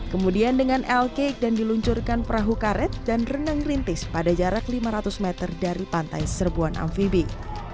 kemudian dengan el cake dan diluncurkan perahu karet dan renang rintis pada jarak lima ratus meter dari pantai serbuan amfibi